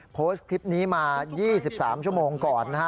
โพสต์คลิปนี้มา๒๓ชั่วโมงก่อนนะฮะ